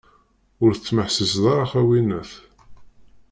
Ur tesmeḥsiseḍ ara, a winnat!